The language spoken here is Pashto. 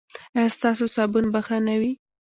ایا ستاسو صابون به ښه نه وي؟